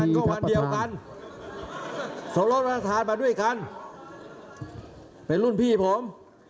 แวงงานก็วันเดี๋ยวกันสอบโรธราชทานมาด้วยกันเป็นนรุ่นพี่ผม